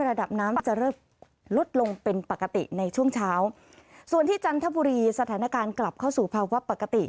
ระดับน้ำจะเริ่มลดลงเป็นปกติในช่วงเช้าส่วนที่จันทบุรีสถานการณ์กลับเข้าสู่ภาวะปกติ